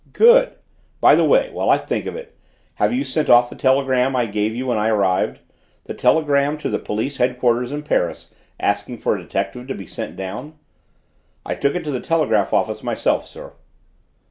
"Good! By the way, while I think of it, have you sent off the telegram I gave you when I arrived the telegram to the police head quarters in Paris, asking for a detective to be sent down?" "I took it to the telegraph office myself, sir."